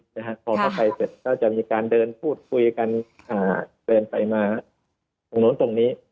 พอเข้าไปเสร็จก็จะมีการเดินพูดคุยกันเดินไปมาตรงนู้นตรงนี้